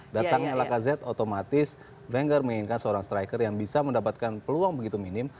datangnya lacazette otomatis venger menginginkan seorang striker yang bisa mendapatkan peluang begitu minim